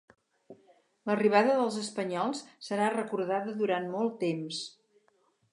L'arribada dels espanyols serà recordada durant molt temps.